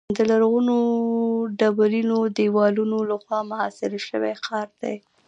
د لرغونو ډبرینو دیوالونو له خوا محاصره شوی ښار دی.